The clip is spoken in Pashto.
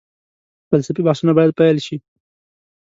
فلسفي بحثونه باید پيل شي.